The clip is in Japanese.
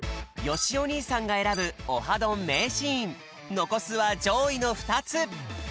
よしお兄さんが選ぶ「オハどん！」名シーンのこすはじょういのふたつ！